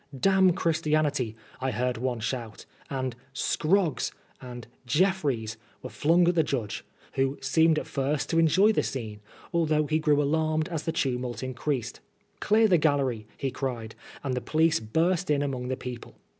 " Damn Christianity I" I heard one shout, and " Scroggs " and " Jeffries " were flung at the judge, who seemed at first to enjoy the scene, although he grew alarmed as the tumult increased. " Clear the gallery," he cried, and the police burst in among the people.